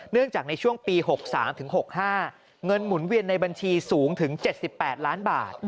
จากในช่วงปี๖๓ถึง๖๕เงินหมุนเวียนในบัญชีสูงถึง๗๘ล้านบาท